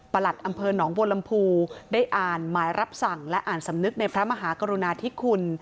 หลัดอำเภอหนองบัวลำพูได้อ่านหมายรับสั่งและอ่านสำนึกในพระมหากรุณาธิคุณ